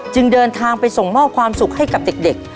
เดินทางไปส่งมอบความสุขให้กับเด็ก